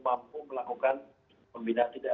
mampu melakukan pembinaan tidak